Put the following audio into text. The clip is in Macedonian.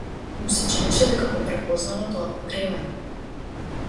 Му се чинеше дека го препознава тоа покревање.